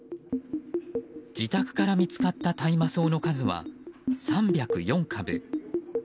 自宅から見つかった大麻草の数は３０４株。